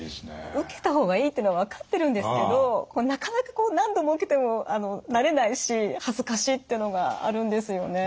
受けた方がいいってのは分かってるんですけどなかなか何度受けても慣れないし恥ずかしいっていうのがあるんですよね。